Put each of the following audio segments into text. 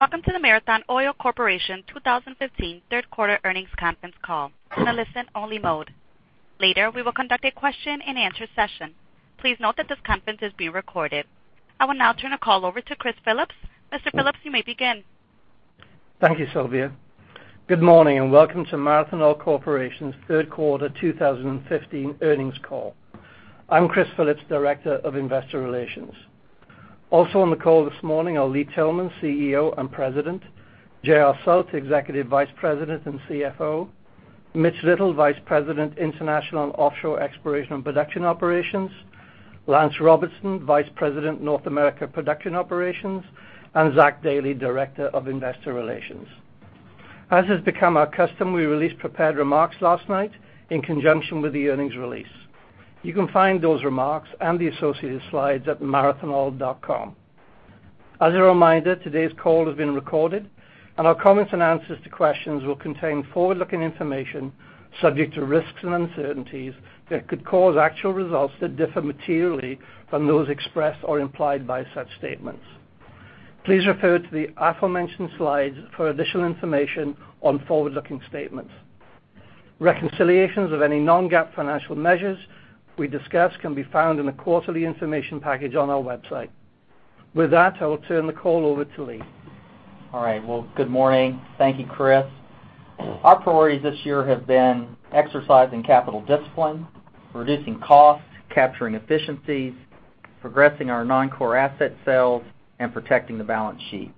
Welcome to the Marathon Oil Corporation 2015 third quarter earnings conference call in a listen-only mode. Later, we will conduct a question-and-answer session. Please note that this conference is being recorded. I will now turn the call over to Chris Phillips. Mr. Phillips, you may begin. Thank you, Sylvia. Good morning, and welcome to Marathon Oil Corporation's third quarter 2015 earnings call. I'm Chris Phillips, Director of Investor Relations. Also on the call this morning are Lee Tillman, CEO and President, J.R. Sult, Executive Vice President and CFO, Mitch Little, Vice President, International and Offshore Exploration and Production Operations, Lance Robertson, Vice President, North America Production Operations, and Zach Dailey, Director of Investor Relations. As has become our custom, we released prepared remarks last night in conjunction with the earnings release. You can find those remarks and the associated slides at marathonoil.com. As a reminder, today's call is being recorded, and our comments and answers to questions will contain forward-looking information subject to risks and uncertainties that could cause actual results to differ materially from those expressed or implied by such statements. Please refer to the aforementioned slides for additional information on forward-looking statements. Reconciliations of any non-GAAP financial measures we discuss can be found in the quarterly information package on our website. With that, I will turn the call over to Lee. All right. Well, good morning. Thank you, Chris. Our priorities this year have been exercising capital discipline, reducing costs, capturing efficiencies, progressing our non-core asset sales, and protecting the balance sheet.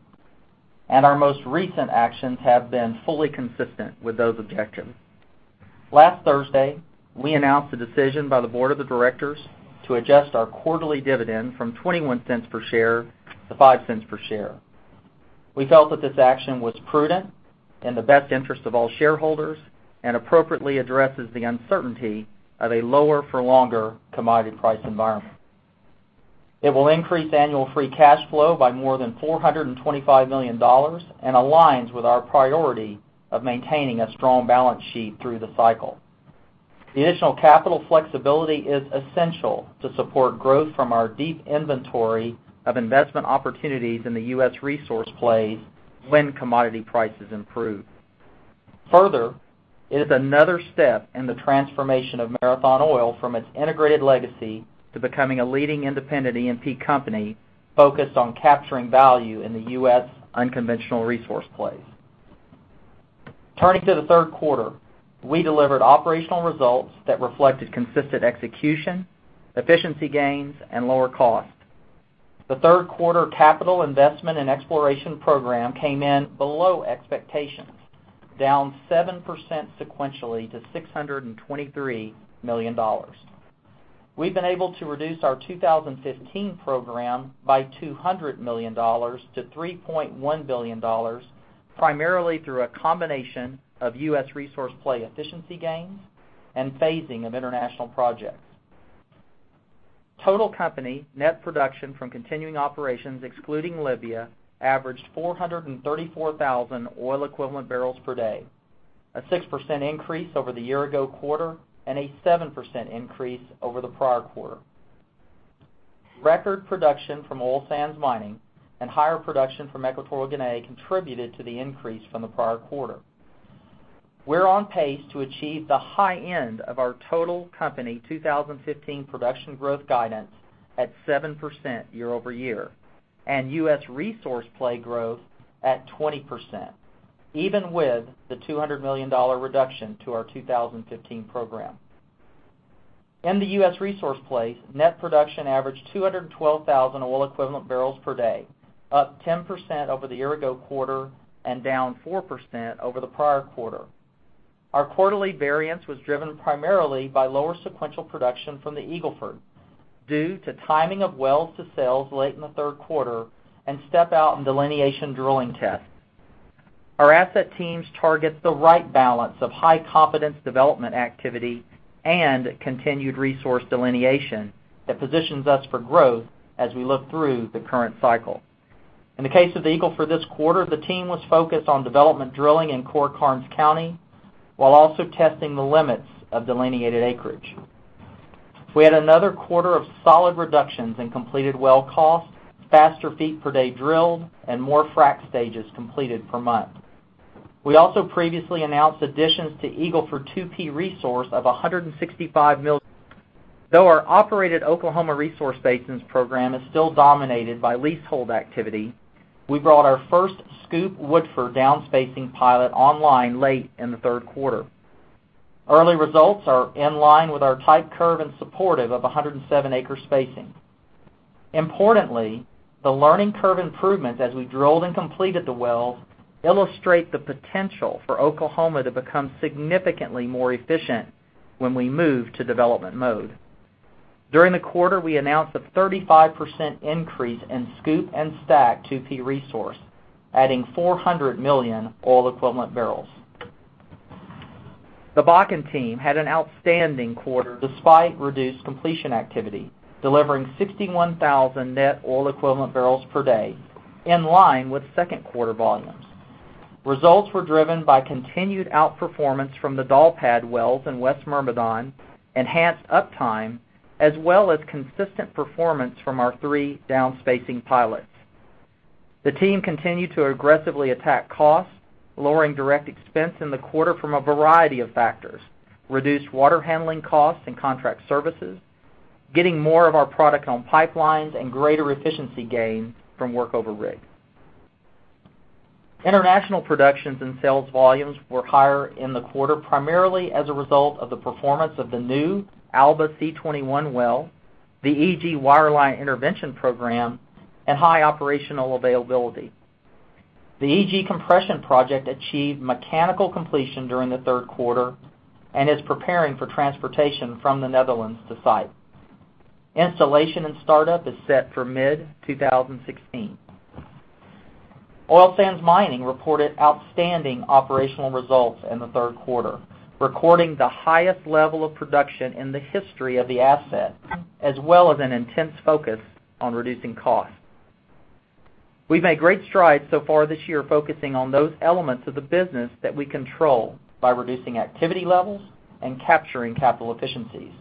Our most recent actions have been fully consistent with those objectives. Last Thursday, we announced the decision by the board of directors to adjust our quarterly dividend from $0.21 per share to $0.05 per share. We felt that this action was prudent in the best interest of all shareholders and appropriately addresses the uncertainty of a lower for longer commodity price environment. It will increase annual free cash flow by more than $425 million and aligns with our priority of maintaining a strong balance sheet through the cycle. The additional capital flexibility is essential to support growth from our deep inventory of investment opportunities in the U.S. resource plays when commodity prices improve. It is another step in the transformation of Marathon Oil from its integrated legacy to becoming a leading independent E&P company focused on capturing value in the U.S. unconventional resource plays. Turning to the third quarter, we delivered operational results that reflected consistent execution, efficiency gains, and lower cost. The third quarter capital investment and exploration program came in below expectations, down 7% sequentially to $623 million. We've been able to reduce our 2015 program by $200 million to $3.1 billion, primarily through a combination of U.S. resource play efficiency gains and phasing of international projects. Total company net production from continuing operations excluding Libya averaged 434,000 barrels of oil equivalent per day, a 6% increase over the year-ago quarter and a 7% increase over the prior quarter. Record production from oil sands mining and higher production from Equatorial Guinea contributed to the increase from the prior quarter. We're on pace to achieve the high end of our total company 2015 production growth guidance at 7% year-over-year, and U.S. resource play growth at 20%, even with the $200 million reduction to our 2015 program. In the U.S. resource plays, net production averaged 212,000 barrels of oil equivalent per day, up 10% over the year-ago quarter and down 4% over the prior quarter. Our quarterly variance was driven primarily by lower sequential production from the Eagle Ford due to timing of wells to sales late in the third quarter and step-out and delineation drilling tests. Our asset teams target the right balance of high-confidence development activity and continued resource delineation that positions us for growth as we look through the current cycle. In the case of the Eagle Ford this quarter, the team was focused on development drilling in core Karnes County while also testing the limits of delineated acreage. We had another quarter of solid reductions in completed well costs, faster feet per day drilled, and more frac stages completed per month. We also previously announced additions to Eagle Ford 2P resource of 165 mil-- Though our operated Oklahoma resource basins program is still dominated by leasehold activity, we brought our first SCOOP/Woodford down-spacing pilot online late in the third quarter. Early results are in line with our type curve and supportive of 107-acre spacing. Importantly, the learning curve improvements as we drilled and completed the wells illustrate the potential for Oklahoma to become significantly more efficient when we move to development mode. During the quarter, we announced a 35% increase in SCOOP and STACK 2P resource, adding 400 million barrels of oil equivalent. The Bakken team had an outstanding quarter despite reduced completion activity, delivering 61,000 net barrels of oil equivalent per day, in line with second quarter volumes. Results were driven by continued outperformance from the Doll Pad wells in West Myrmidon, enhanced uptime, as well as consistent performance from our three down-spacing pilots. The team continued to aggressively attack costs, lowering direct expense in the quarter from a variety of factors: reduced water handling costs and contract services, getting more of our product on pipelines, and greater efficiency gains from workover rig. International productions and sales volumes were higher in the quarter, primarily as a result of the performance of the new Alba C21 well, the EG wireline intervention program, and high operational availability. The EG compression project achieved mechanical completion during the third quarter and is preparing for transportation from the Netherlands to site. Installation and startup is set for mid-2016. Oil sands mining reported outstanding operational results in the third quarter, recording the highest level of production in the history of the asset, as well as an intense focus on reducing costs. We've made great strides so far this year focusing on those elements of the business that we control by reducing activity levels and capturing capital efficiencies.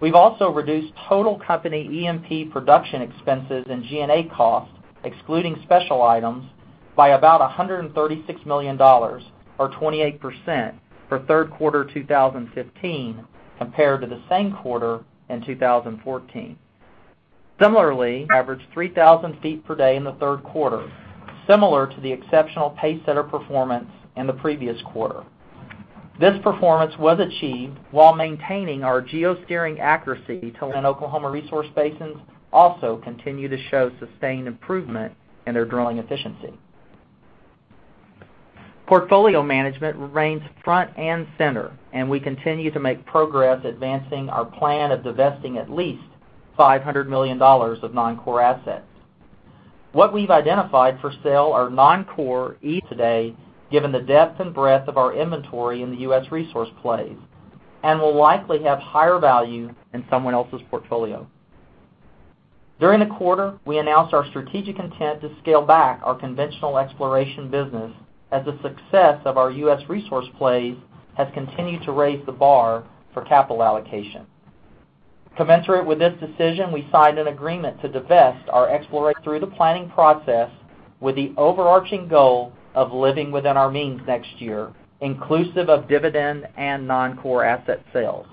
We've also reduced total company E&P production expenses and G&A costs, excluding special items, by about $136 million, or 28%, for third quarter 2015 compared to the same quarter in 2014. Similarly, averaged 3,000 feet per day in the third quarter, similar to the exceptional pacesetter performance in the previous quarter. This performance was achieved while maintaining our Geosteering accuracy. In Oklahoma resource basins also continue to show sustained improvement in their drilling efficiency. Portfolio management remains front and center. We continue to make progress advancing our plan of divesting at least $500 million of non-core assets. What we've identified for sale are non-core, each today, given the depth and breadth of our inventory in the U.S. resource plays, and will likely have higher value in someone else's portfolio. During the quarter, we announced our strategic intent to scale back our conventional exploration business as the success of our U.S. resource plays has continued to raise the bar for capital allocation. Commensurate with this decision, we signed an agreement to divest our exploration through the planning process with the overarching goal of living within our means next year, inclusive of dividend and non-core asset sales.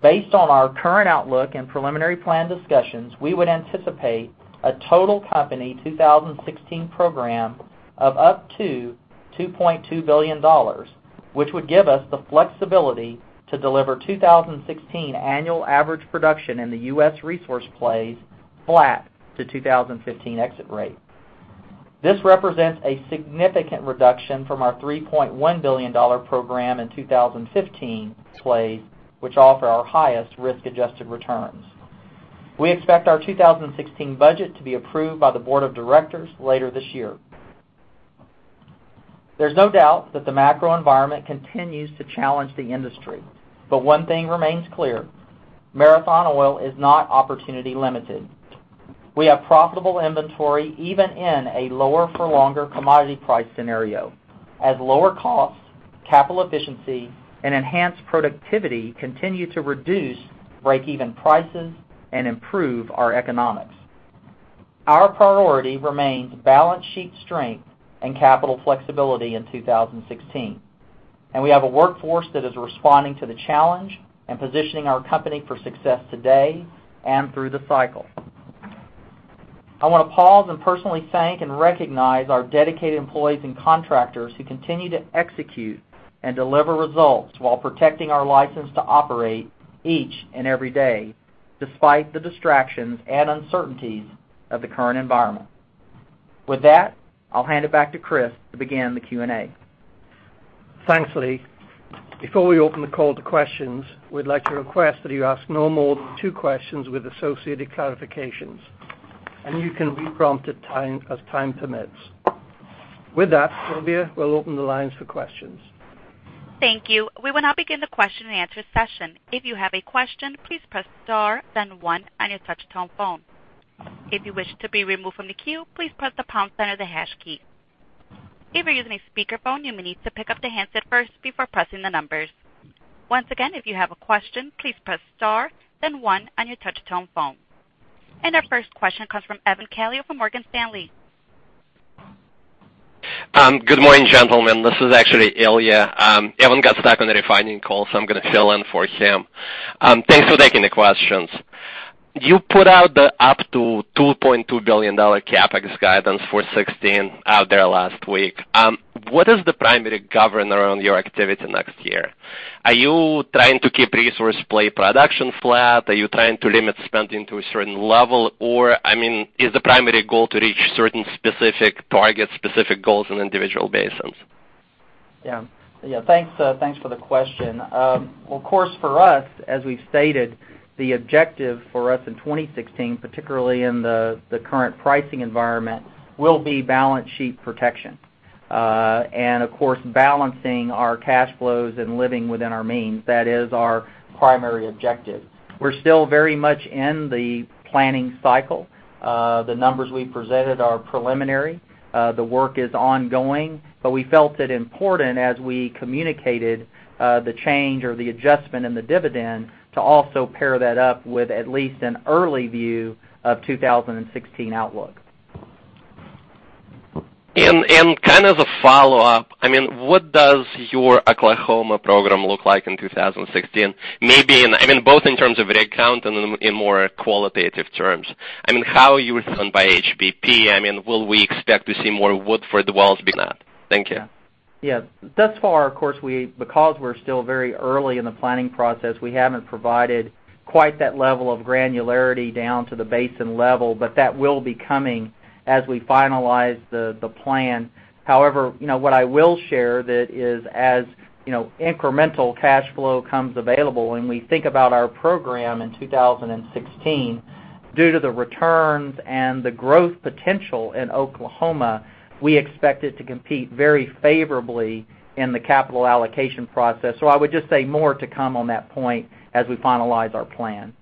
Based on our current outlook and preliminary plan discussions, we would anticipate a total company 2016 program of up to $2.2 billion, which would give us the flexibility to deliver 2016 annual average production in the U.S. resource plays flat to 2015 exit rates. This represents a significant reduction from our $3.1 billion program in 2015 plays, which offer our highest risk-adjusted returns. We expect our 2016 budget to be approved by the board of directors later this year. There's no doubt that the macro environment continues to challenge the industry. One thing remains clear: Marathon Oil is not opportunity limited. We have profitable inventory even in a lower for longer commodity price scenario, as lower costs, capital efficiency, and enhanced productivity continue to reduce break-even prices and improve our economics. Our priority remains balance sheet strength and capital flexibility in 2016. We have a workforce that is responding to the challenge and positioning our company for success today and through the cycle. I want to pause and personally thank and recognize our dedicated employees and contractors who continue to execute and deliver results while protecting our license to operate each and every day, despite the distractions and uncertainties of the current environment. With that, I'll hand it back to Chris to begin the Q&A. Thanks, Lee. Before we open the call to questions, we'd like to request that you ask no more than two questions with associated clarifications. You can be prompted as time permits. With that, Sylvia, we'll open the lines for questions. Thank you. We will now begin the question and answer session. If you have a question, please press star, then one on your touch-tone phone. If you wish to be removed from the queue, please press the pound sign or the hash key. If you're using a speakerphone, you may need to pick up the handset first before pressing the numbers. Once again, if you have a question, please press star, then one on your touch-tone phone. Our first question comes from Evan Calio from Morgan Stanley. Good morning, gentlemen. This is actually Ilya. Evan got stuck on the refining call, I'm going to fill in for him. Thanks for taking the questions. You put out the up to $2.2 billion CapEx guidance for 2016 out there last week. What is the primary govern around your activity next year? Are you trying to keep resource play production flat? Are you trying to limit spending to a certain level? Is the primary goal to reach certain specific targets, specific goals in individual basins? Yeah. Thanks for the question. Of course, for us, as we've stated, the objective for us in 2016, particularly in the current pricing environment, will be balance sheet protection. Of course, balancing our cash flows and living within our means. That is our primary objective. We're still very much in the planning cycle. The numbers we presented are preliminary. The work is ongoing, we felt it important as we communicated the change or the adjustment in the dividend to also pair that up with at least an early view of 2016 outlook. As a follow-up, what does your Oklahoma program look like in 2016? Maybe both in terms of rig count and in more qualitative terms. How are you returned by HBP? Will we expect to see more Woodford wells or not? Thank you. Yeah. Thus far, of course, because we're still very early in the planning process, we haven't provided quite that level of granularity down to the basin level, but that will be coming as we finalize the plan. However, what I will share that is as incremental cash flow comes available and we think about our program in 2016, due to the returns and the growth potential in Oklahoma, we expect it to compete very favorably in the capital allocation process. I would just say more to come on that point as we finalize our plan.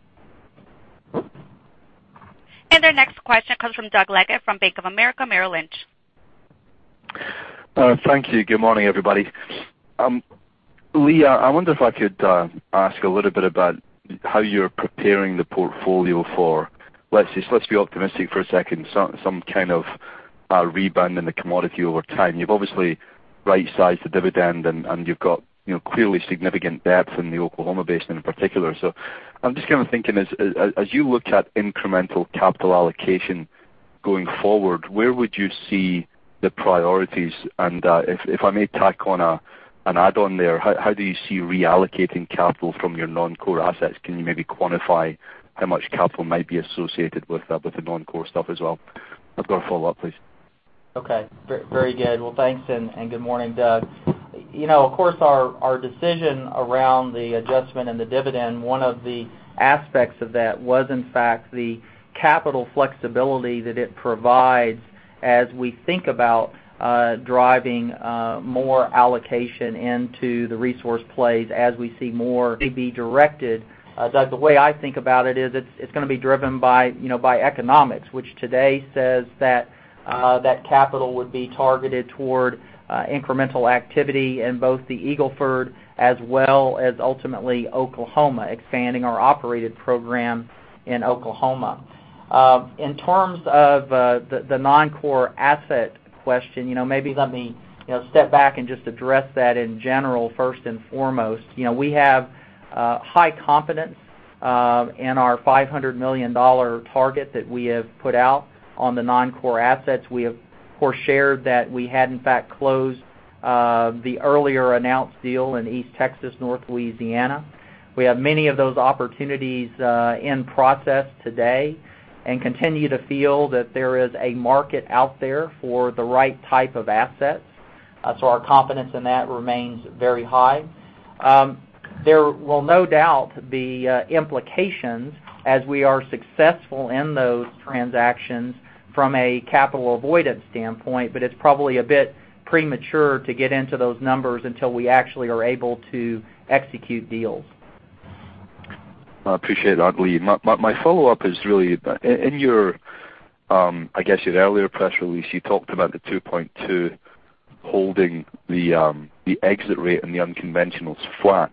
Our next question comes from Doug Leggate from Bank of America Merrill Lynch. Thank you. Good morning, everybody. Lee, I wonder if I could ask a little bit about how you're preparing the portfolio for, let's just be optimistic for a second, some kind of a rebound in the commodity over time. You've obviously right-sized the dividend, and you've got clearly significant depth in the Oklahoma basin in particular. I'm just thinking, as you look at incremental capital allocation going forward, where would you see the priorities? If I may tack on an add-on there, how do you see reallocating capital from your non-core assets? Can you maybe quantify how much capital might be associated with the non-core stuff as well? I've got a follow-up, please. Very good. Well, thanks, and good morning, Doug. Our decision around the adjustment and the dividend, one of the aspects of that was in fact the capital flexibility that it provides as we think about driving more allocation into the resource plays as we see more to be directed. Doug, the way I think about it is it's going to be driven by economics, which today says that capital would be targeted toward incremental activity in both the Eagle Ford as well as ultimately Oklahoma, expanding our operated program in Oklahoma. In terms of the non-core asset question, maybe let me step back and just address that in general first and foremost. We have high confidence in our $500 million target that we have put out on the non-core assets. We have, of course, shared that we had in fact closed the earlier announced deal in East Texas, North Louisiana. We have many of those opportunities in process today and continue to feel that there is a market out there for the right type of assets. Our confidence in that remains very high. There will no doubt be implications as we are successful in those transactions from a capital avoidance standpoint. It's probably a bit premature to get into those numbers until we actually are able to execute deals. I appreciate that, Lee. My follow-up is really, in your, I guess, your earlier press release, you talked about the 2.2 holding the exit rate and the unconventionals flat.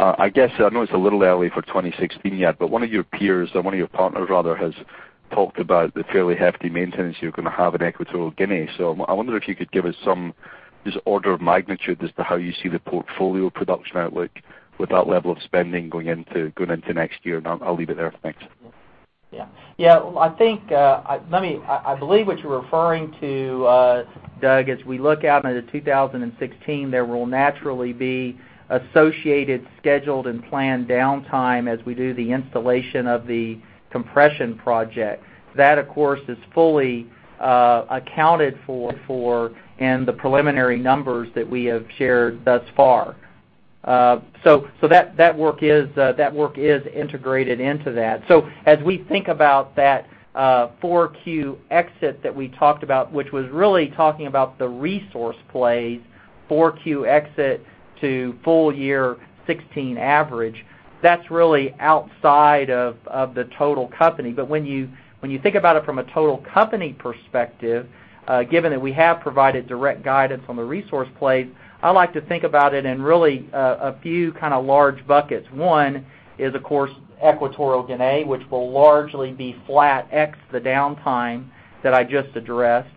I guess I know it's a little early for 2016 yet. One of your peers, or one of your partners rather, has talked about the fairly hefty maintenance you're going to have in Equatorial Guinea. I wonder if you could give us some just order of magnitude as to how you see the portfolio production outlook with that level of spending going into next year. I'll leave it there. Thanks. Yeah. I believe what you're referring to, Doug, as we look out into 2016, there will naturally be associated, scheduled, and planned downtime as we do the installation of the compression project. That, of course, is fully accounted for in the preliminary numbers that we have shared thus far. That work is integrated into that. As we think about that 4Q exit that we talked about, which was really talking about the resource plays, 4Q exit to full year 2016 average, that's really outside of the total company. When you think about it from a total company perspective, given that we have provided direct guidance on the resource plays, I like to think about it in really a few large buckets. One is, of course, Equatorial Guinea, which will largely be flat ex the downtime that I just addressed.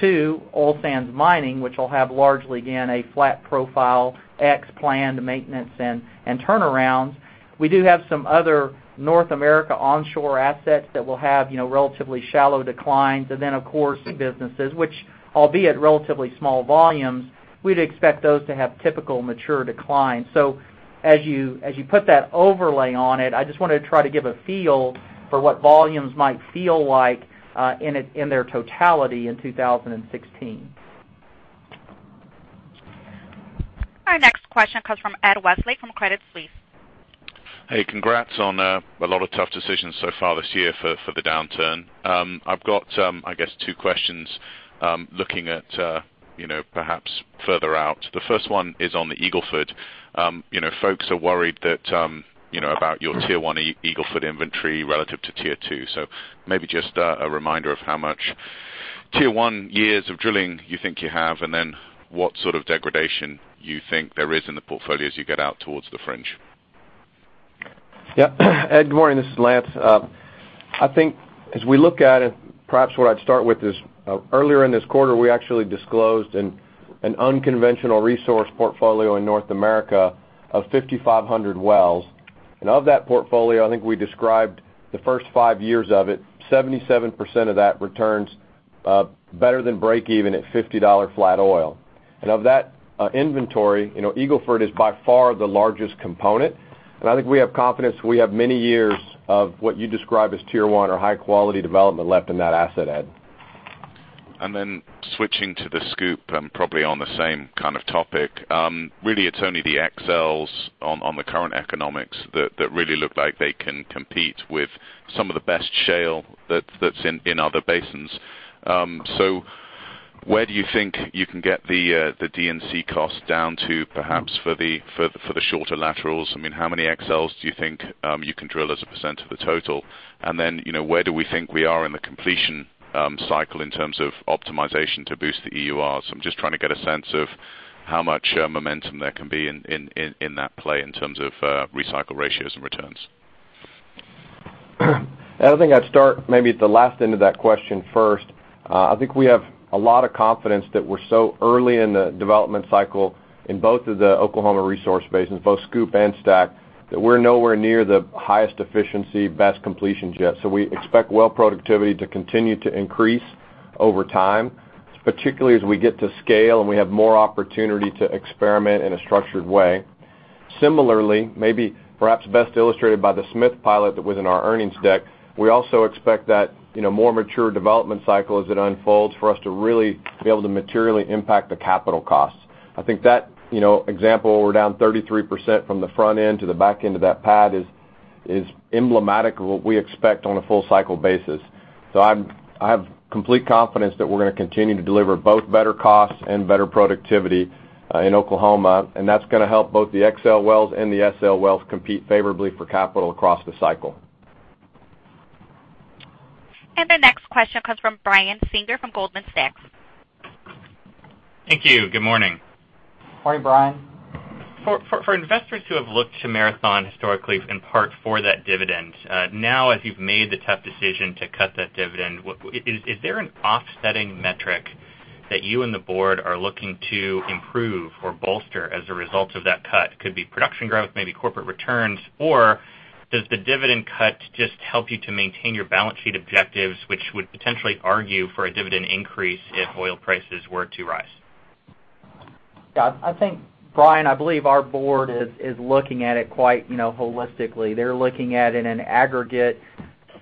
Two, oil sands mining, which will have largely, again, a flat profile ex planned maintenance and turnarounds. We do have some other North America onshore assets that will have relatively shallow declines. Then, of course, big businesses, which albeit relatively small volumes, we'd expect those to have typical mature declines. As you put that overlay on it, I just wanted to try to give a feel for what volumes might feel like in their totality in 2016. Our next question comes from Ed Westlake from Credit Suisse. Hey, congrats on a lot of tough decisions so far this year for the downturn. I've got, I guess, two questions looking at perhaps further out. The first one is on the Eagle Ford. Folks are worried about your Tier 1 Eagle Ford inventory relative to Tier 2. Maybe just a reminder of how much Tier 1 years of drilling you think you have, and then what sort of degradation you think there is in the portfolio as you get out towards the fringe? Yeah. Ed, good morning. This is Lance. I think as we look at it, perhaps where I'd start with is, earlier in this quarter, we actually disclosed an unconventional resource portfolio in North America of 5,500 wells. Of that portfolio, I think we described the first five years of it, 77% of that returns better than break even at $50 flat oil. Of that inventory, Eagle Ford is by far the largest component. I think we have confidence we have many years of what you describe as tier 1 or high quality development left in that asset, Ed. Switching to the SCOOP and probably on the same kind of topic. Really it's only the XLs on the current economics that really look like they can compete with some of the best shale that's in other basins. Where do you think you can get the D&C cost down to perhaps for the shorter laterals? How many XLs do you think you can drill as a percent of the total? Where do we think we are in the completion cycle in terms of optimization to boost the EURs? I'm just trying to get a sense of how much momentum there can be in that play in terms of recycle ratios and returns. Ed, I think I'd start maybe at the last end of that question first. I think we have a lot of confidence that we're so early in the development cycle in both of the Oklahoma resource basins, both SCOOP and STACK, that we're nowhere near the highest efficiency, best completions yet. We expect well productivity to continue to increase over time, particularly as we get to scale and we have more opportunity to experiment in a structured way. Similarly, maybe perhaps best illustrated by the Smith pilot that was in our earnings deck, we also expect that more mature development cycle, as it unfolds, for us to really be able to materially impact the capital costs. I think that example, we're down 33% from the front end to the back end of that pad, is emblematic of what we expect on a full cycle basis. I have complete confidence that we're going to continue to deliver both better costs and better productivity in Oklahoma, and that's going to help both the XL wells and the SL wells compete favorably for capital across the cycle. The next question comes from Brian Singer from Goldman Sachs. Thank you. Good morning. Morning, Brian. For investors who have looked to Marathon historically in part for that dividend, now as you've made the tough decision to cut that dividend, is there an offsetting metric that you and the board are looking to improve or bolster as a result of that cut? It could be production growth, maybe corporate returns. Does the dividend cut just help you to maintain your balance sheet objectives, which would potentially argue for a dividend increase if oil prices were to rise? Yeah, I think, Brian, I believe our board is looking at it quite holistically. They're looking at it in an aggregate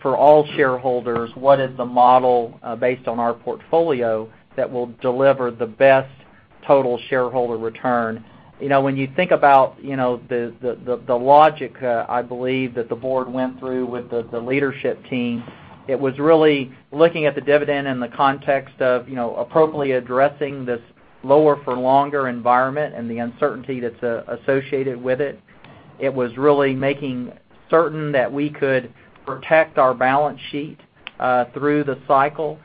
for all shareholders, what is the model based on our portfolio that will deliver the best total shareholder return? When you think about the logic, I believe, that the board went through with the leadership team, it was really looking at the dividend in the context of appropriately addressing this lower for longer environment and the uncertainty that's associated with it. It was really making certain that we could protect our balance sheet through the cycle.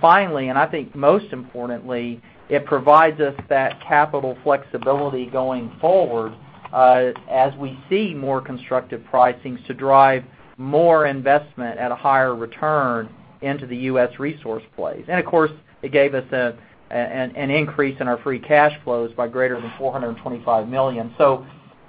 Finally, and I think most importantly, it provides us that capital flexibility going forward, as we see more constructive pricings to drive more investment at a higher return into the U.S. resource plays. Of course, it gave us an increase in our free cash flows by greater than $425 million.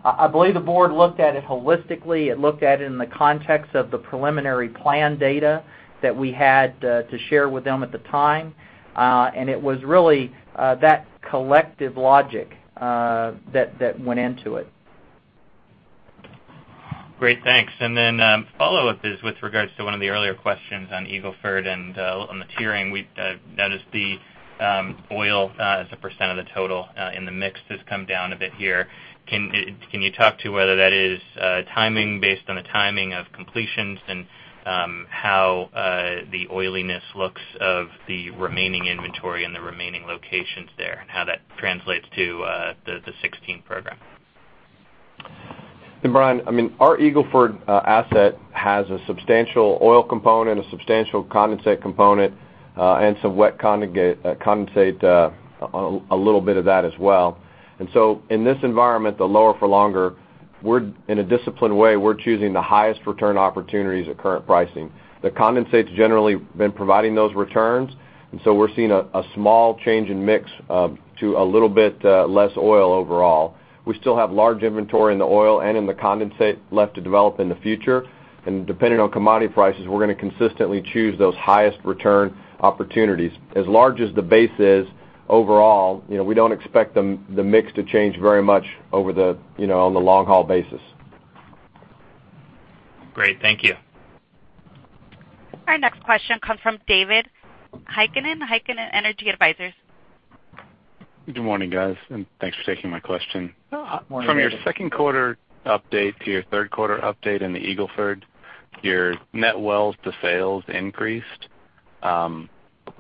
I believe the board looked at it holistically. It looked at it in the context of the preliminary plan data that we had to share with them at the time. It was really that collective logic that went into it. Great. Thanks. Then follow-up is with regards to one of the earlier questions on Eagle Ford and on the tiering. We've noticed the oil as a % of the total in the mix has come down a bit here. Can you talk to whether that is timing based on the timing of completions and how the oiliness looks of the remaining inventory and the remaining locations there and how that translates to the 2016 program? Brian, our Eagle Ford asset has a substantial oil component, a substantial condensate component, and some wet condensate, a little bit of that as well. So in this environment, the lower for longer, in a disciplined way, we're choosing the highest return opportunities at current pricing. The condensate's generally been providing those returns, so we're seeing a small change in mix to a little bit less oil overall. We still have large inventory in the oil and in the condensate left to develop in the future. Depending on commodity prices, we're going to consistently choose those highest return opportunities. As large as the base is overall, we don't expect the mix to change very much on the long haul basis. Great. Thank you. Our next question comes from David Heikkinen Energy Advisors. Good morning, guys, and thanks for taking my question. Oh, good morning, David. From your second quarter update to your third quarter update in the Eagle Ford, your net wells to sales increased. Can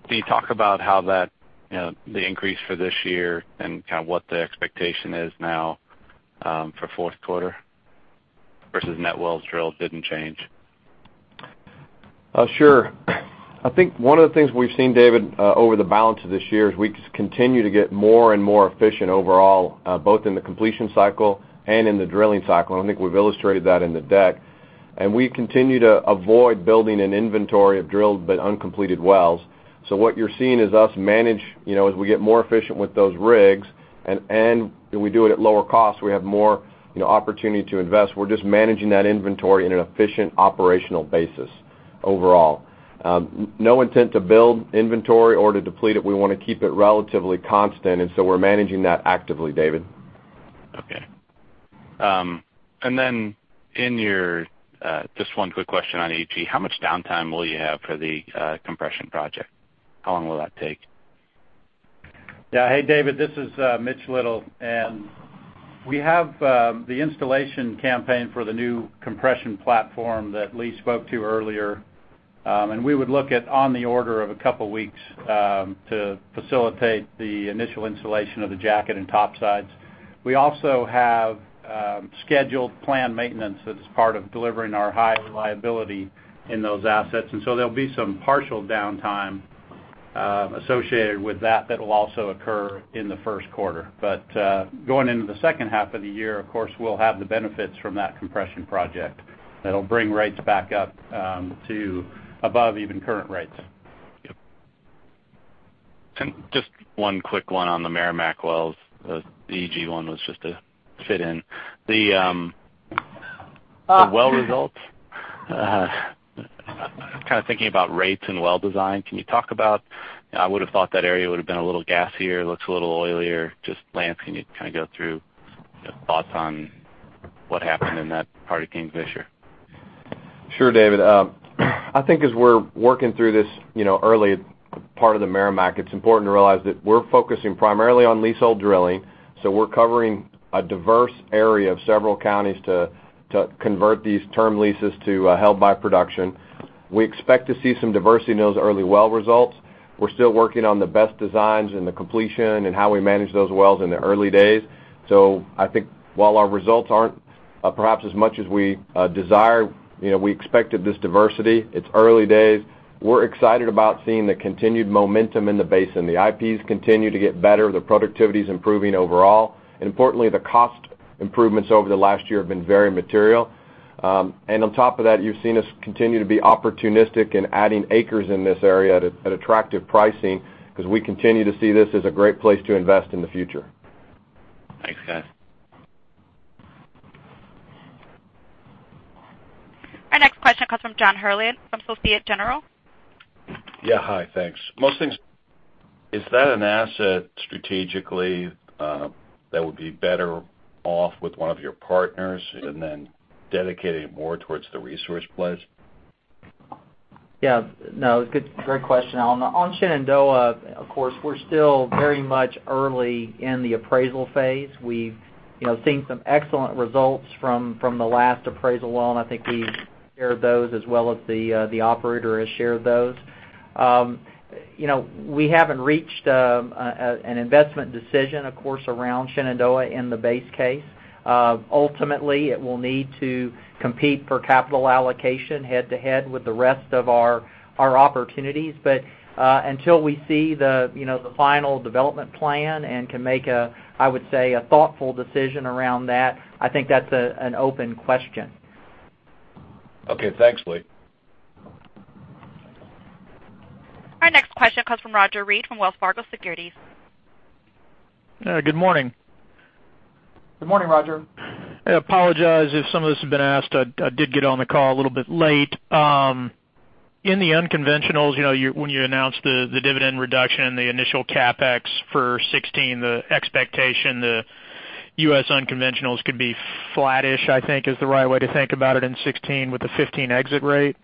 you talk about how the increase for this year and what the expectation is now for fourth quarter? Versus net wells drilled didn't change. Sure. I think one of the things we've seen, David, over the balance of this year is we continue to get more and more efficient overall, both in the completion cycle and in the drilling cycle, and I think we've illustrated that in the deck. We continue to avoid building an inventory of drilled but uncompleted wells. What you're seeing is us manage, as we get more efficient with those rigs and we do it at lower cost, we have more opportunity to invest. We're just managing that inventory in an efficient operational basis overall. No intent to build inventory or to deplete it. We want to keep it relatively constant. We're managing that actively, David. Okay. Just one quick question on EG. How much downtime will you have for the compression project? How long will that take? Yeah. Hey, David, this is Mitch Little. We have the installation campaign for the new compression platform that Lee spoke to earlier. We would look at on the order of a couple of weeks to facilitate the initial installation of the jacket and topsides. We also have scheduled planned maintenance that's part of delivering our high reliability in those assets. There'll be some partial downtime associated with that that will also occur in the first quarter. Going into the second half of the year, of course, we'll have the benefits from that compression project that'll bring rates back up to above even current rates. Yep. Just one quick one on the Meramec wells. The EG one was just to fit in. The well results, kind of thinking about rates and well design. I would have thought that area would have been a little gassier, looks a little oilier. Lance, can you kind of go through thoughts on what happened in that part of Kingfisher? Sure, David. I think as we're working through this early part of the Meramec, it's important to realize that we're focusing primarily on leasehold drilling. We're covering a diverse area of several counties to convert these term leases to held by production. We expect to see some diversity in those early well results. We're still working on the best designs and the completion and how we manage those wells in the early days. I think while our results aren't perhaps as much as we desire, we expected this diversity. It's early days. We're excited about seeing the continued momentum in the basin. The IPs continue to get better. The productivity is improving overall. Importantly, the cost improvements over the last year have been very material. On top of that, you've seen us continue to be opportunistic in adding acres in this area at attractive pricing because we continue to see this as a great place to invest in the future. Thanks, guys. Our next question comes from John Herrlin from Société Générale. Yeah. Hi, thanks. Most things, is that an asset strategically that would be better off with one of your partners and then dedicating it more towards the resource plays? Yeah. No, great question. On Shenandoah, of course, we're still very much early in the appraisal phase. We've seen some excellent results from the last appraisal well, and I think we've shared those as well as the operator has shared those. We haven't reached an investment decision, of course, around Shenandoah in the base case. Ultimately, it will need to compete for capital allocation head-to-head with the rest of our opportunities. Until we see the final development plan and can make, I would say, a thoughtful decision around that, I think that's an open question. Okay. Thanks, Lee. Our next question comes from Roger Read from Wells Fargo Securities. Good morning. Good morning, Roger. I apologize if some of this has been asked. I did get on the call a little bit late. In the unconventionals, when you announced the dividend reduction, the initial CapEx for 2016, the expectation the U.S. unconventionals could be flattish, I think, is the right way to think about it in 2016 with the 2015 exit rate.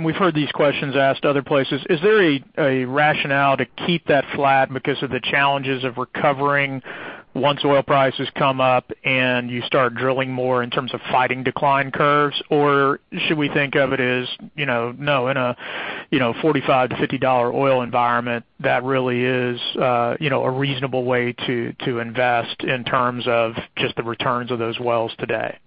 We've heard these questions asked other places. Is there a rationale to keep that flat because of the challenges of recovering once oil prices come up and you start drilling more in terms of fighting decline curves? Or should we think of it as, no, in a $45-$50 oil environment, that really is a reasonable way to invest in terms of just the returns of those wells today?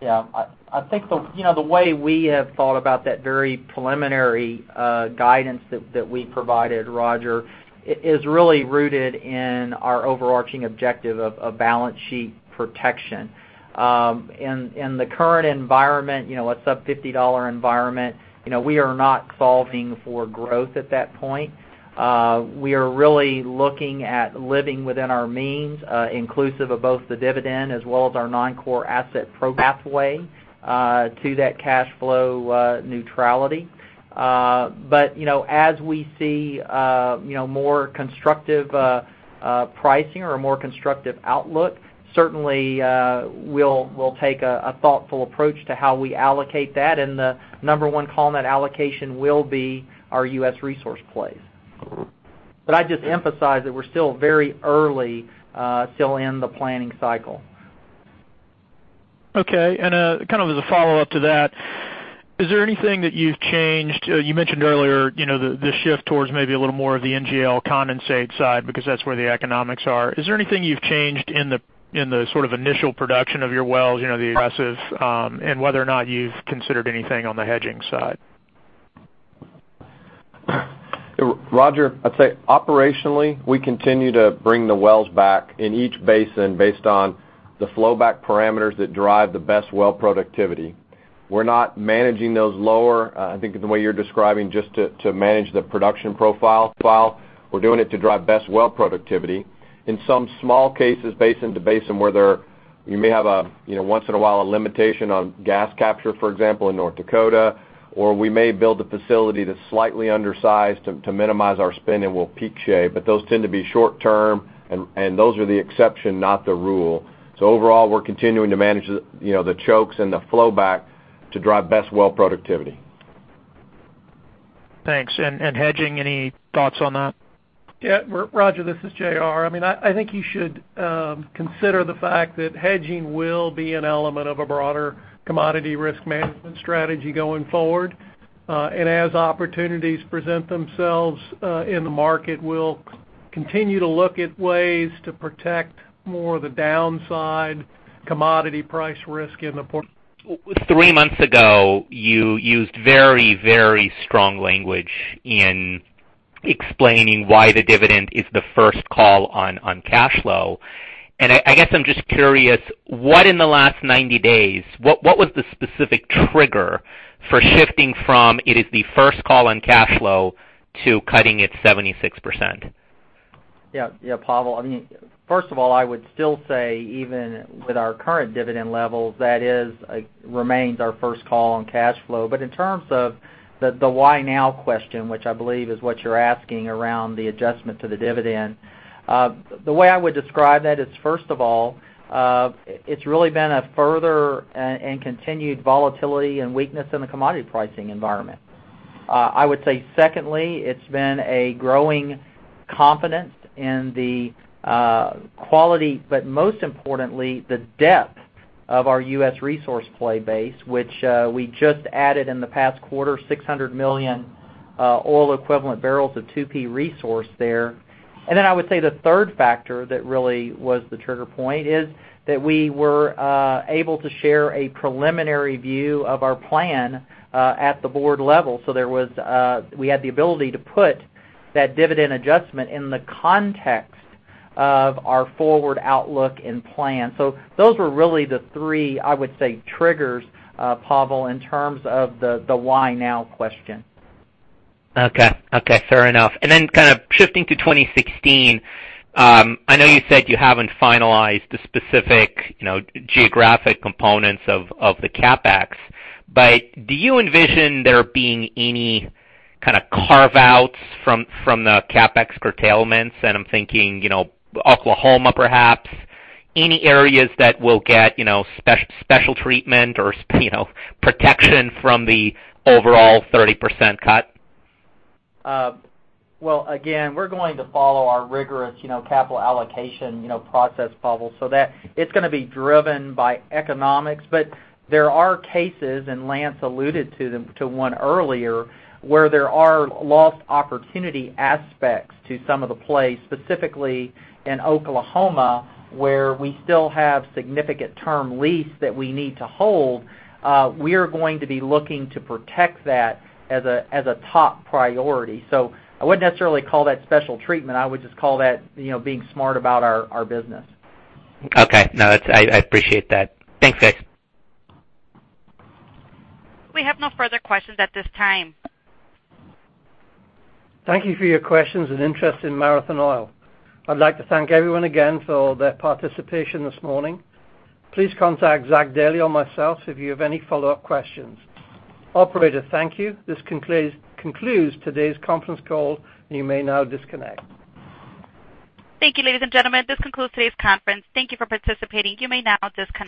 Yeah. I think the way we have thought about that very preliminary guidance that we provided, Roger, is really rooted in our overarching objective of balance sheet protection. In the current environment, a sub $50 environment, we are not solving for growth at that point. We are really looking at living within our means, inclusive of both the dividend as well as our non-core asset program way to that cash flow neutrality. As we see more constructive pricing or a more constructive outlook, certainly we'll take a thoughtful approach to how we allocate that, and the number one call on that allocation will be our U.S. resource plays. I'd just emphasize that we're still very early still in the planning cycle. Okay. As a follow-up to that, is there anything that you've changed? You mentioned earlier, the shift towards maybe a little more of the NGL condensate side, because that's where the economics are. Is there anything you've changed in the initial production of your wells, the aggressive, and whether or not you've considered anything on the hedging side? Roger, I'd say operationally, we continue to bring the wells back in each basin based on the flow back parameters that drive the best well productivity. We're not managing those lower, I think the way you're describing, just to manage the production profile. We're doing it to drive best well productivity. In some small cases, basin to basin, where you may have once in a while a limitation on gas capture, for example, in North Dakota, or we may build a facility that's slightly undersized to minimize our spend and we'll peak shape. Those tend to be short-term, and those are the exception, not the rule. Overall, we're continuing to manage the chokes and the flow back to drive best well productivity. Thanks. Hedging, any thoughts on that? Yeah. Roger, this is J.R. I think you should consider the fact that hedging will be an element of a broader commodity risk management strategy going forward. As opportunities present themselves in the market, we'll continue to look at ways to protect more of the downside commodity price risk in the portfolio. Three months ago, you used very strong language in explaining why the dividend is the first call on cash flow, and I guess I'm just curious, what in the last 90 days, what was the specific trigger for shifting from it is the first call on cash flow to cutting it 76%? Yeah, Pavel. First of all, I would still say even with our current dividend levels, that remains our first call on cash flow. In terms of the why now question, which I believe is what you're asking around the adjustment to the dividend. The way I would describe that is, first of all, it's really been a further and continued volatility and weakness in the commodity pricing environment. I would say secondly, it's been a growing confidence in the quality, but most importantly, the depth of our U.S. resource play base, which we just added in the past quarter, 600 million oil equivalent barrels of 2P resource there. I would say the third factor that really was the trigger point is that we were able to share a preliminary view of our plan at the board level. We had the ability to put that dividend adjustment in the context of our forward outlook and plan. Those were really the three, I would say, triggers, Pavel, in terms of the why now question. Okay. Fair enough. Shifting to 2016, I know you said you haven't finalized the specific geographic components of the CapEx, but do you envision there being any carve outs from the CapEx curtailments? I'm thinking Oklahoma perhaps. Any areas that will get special treatment or protection from the overall 30% cut? Well, again, we're going to follow our rigorous capital allocation process, Pavel. It's going to be driven by economics. There are cases, and Lance alluded to one earlier, where there are lost opportunity aspects to some of the plays, specifically in Oklahoma, where we still have significant term lease that we need to hold. We are going to be looking to protect that as a top priority. I wouldn't necessarily call that special treatment. I would just call that being smart about our business. Okay. No, I appreciate that. Thanks, guys. We have no further questions at this time. Thank you for your questions and interest in Marathon Oil. I'd like to thank everyone again for their participation this morning. Please contact Zach Dailey or myself if you have any follow-up questions. Operator, thank you. This concludes today's conference call. You may now disconnect. Thank you, ladies and gentlemen. This concludes today's conference. Thank you for participating. You may now disconnect.